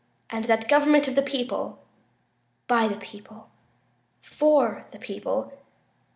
and that government of the people. . .by the people. . .for the people. .